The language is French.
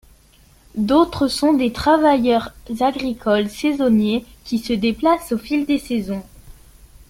D'autres sont des travailleurs agricoles saisonniers qui se déplacent au fil des saisons.